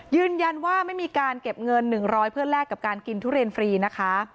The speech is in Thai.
ยืนยันว่าไม่มีการเก็บเงิน๑๐๐เพื่อแลกกับการกินทุเรียนฟรีนะคะ